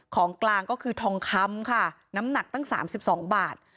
ของกลางก็คือทองคำค่ะน้ำหนักตั้ง๓๒บาท